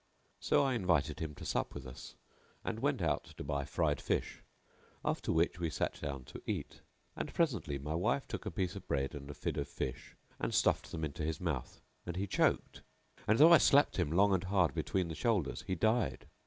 So I invited him to sup with us and went out to buy fried fish; after which we sat down to eat; and presently my wife took a piece of bread and a fid of fish and stuffed them into his mouth and he choked; and, though I slapped him long and hard between the shoulders, he died.